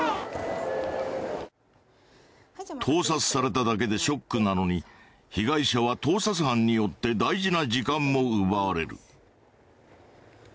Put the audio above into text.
盗撮されただけでショックなのに被害者は盗撮犯によって大事な時間も奪われる。